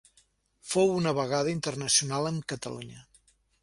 Fou una vegada internacional amb Catalunya.